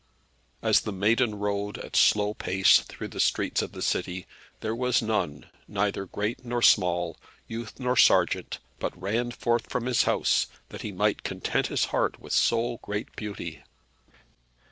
As the Maiden rode at a slow pace through the streets of the city, there was none, neither great nor small, youth nor sergeant, but ran forth from his house, that he might content his heart with so great beauty.